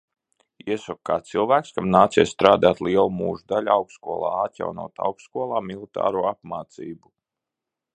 Iesaku kā cilvēks, kam nācies strādāt lielu mūža daļu augstskolā, atjaunot augstskolā militāro apmācību.